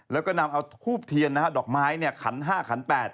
แล้วก็นำเอาทูบเทียนนะฮะดอกไม้ขัน๕ขัน๘